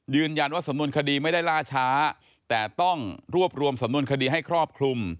สำนวนคดีไม่ได้ล่าช้าแต่ต้องรวบรวมสำนวนคดีให้ครอบคลุม